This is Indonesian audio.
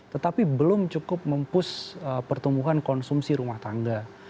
tetapi belum cukup mempush pertumbuhan konsumsi rumah tangga